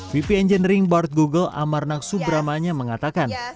vp engineering bart google amarnak subramanya mengatakan